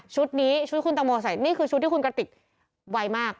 ชุดนี้ชุดคุณตังโมใส่นี่คือชุดที่คุณกระติกไวมาก